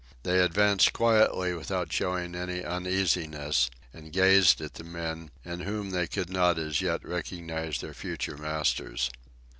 They advanced quietly without showing any uneasiness, and gazed at the men, in whom they could not as yet recognize their future masters.